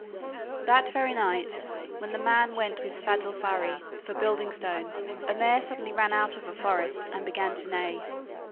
That very night when the man went with Svadilfari for building stone, a mare suddenly ran out of a forest and began to neigh.